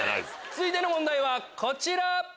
続いての問題はこちら！